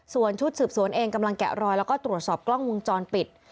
ส่วนชุดสืบสวนเองกำลังแกะรอยแล้วก็ตรวจสอบกล้องวงจรปิด